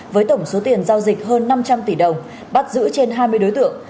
với tổng số tiền giao dịch hơn năm trăm linh tỷ đồng bắt giữ trên hai mươi đối tượng